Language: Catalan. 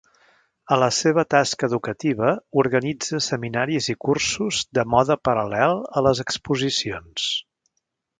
A la seva tasca educativa organitza seminaris i cursos de mode paral·lel a les exposicions.